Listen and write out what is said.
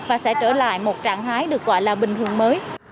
và sẽ trở lại một trạng thái được gọi là bình thường mới